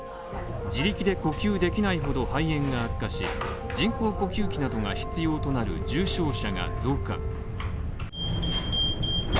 自力で呼吸できないほど肺炎が悪化し人工呼吸器などが必要となる重症者が増加。